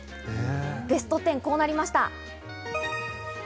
ベスト１０、こうなりました。